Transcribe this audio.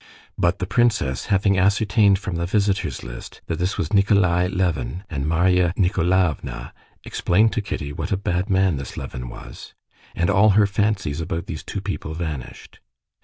But the princess, having ascertained from the visitors' list that this was Nikolay Levin and Marya Nikolaevna, explained to Kitty what a bad man this Levin was, and all her fancies about these two people vanished.